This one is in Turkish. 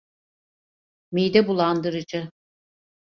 Mide bulandırıcı.